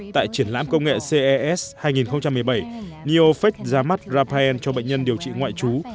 tại triển lãm công nghệ ces hai nghìn một mươi bảy neofec ra mắt raphen cho bệnh nhân điều trị ngoại trú